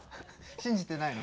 信じてないの？